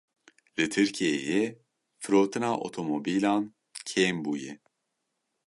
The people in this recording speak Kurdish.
Li Tirkiyeyê firotina otomobîlan kêm bûye.